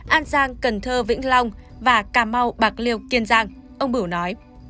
an giang cần thơ vĩnh long và cà mau bạc liêu kiên giang ông bửu nói